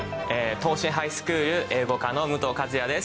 東進ハイスクール英語科の武藤一也です。